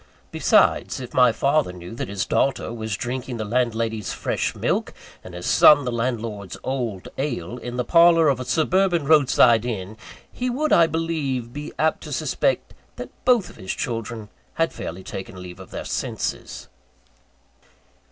Besides, if my father knew that his daughter was drinking the landlady's fresh milk, and his son the landlord's old ale, in the parlour of a suburban roadside inn, he would, I believe, be apt to suspect that both his children had fairly taken leave of their senses.